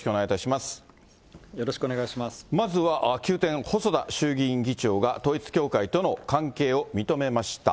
まずは急転、細田衆議院議長が、統一教会との関係を認めました。